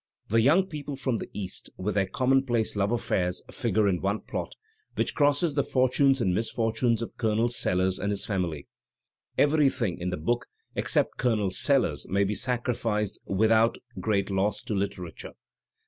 The young people from the east with their conmionplace love affairs figure in one plot, which crosses the fortunes and misfortunes of Colonel Sellers and his family. Everything in the book except Colonel Sellers may be sacrificed without great loss to literature.